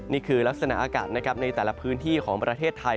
นี่คือลักษณะอากาศนะครับในแต่ละพื้นที่ของประเทศไทย